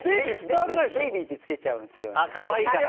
ベイビーってつけちゃうんですよね。